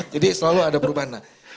jadi selalu ada perubahan